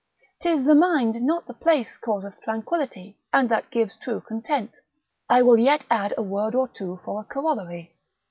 'Tis the mind not the place causeth tranquillity, and that gives true content. I will yet add a word or two for a corollary.